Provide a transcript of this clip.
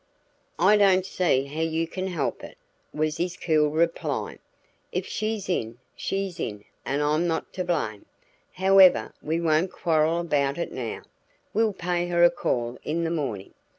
"I don't see how you can help it," was his cool reply. "If she's in, she's in, and I'm not to blame. However, we won't quarrel about it now; we'll pay her a call in the morning."